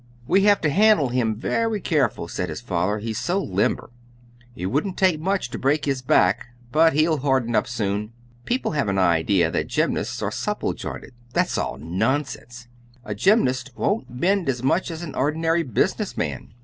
"We have to handle him very careful," said his father, "he's so limber. It wouldn't take much to break his back. But he'll harden up soon. People have an idea that gymnasts are supple jointed. That's all nonsense. A gymnast won't bend as much as an ordinary business man.